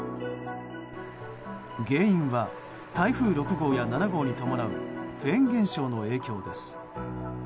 原因は台風６号や７号に伴うフェーン現象の影響です。